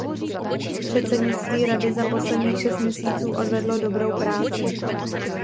Předsednictví Rady za posledních šest měsíců odvedlo dobrou práci.